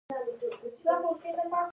انتحار لاس پورې کول مبارزې روش